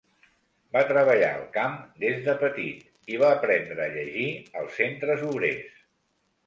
Va treballar al camp des de petit i va aprendre a llegir als centres obrers.